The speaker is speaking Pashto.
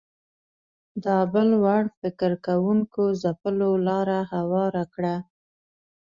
دا بل وړ فکر کوونکو ځپلو لاره هواره کړه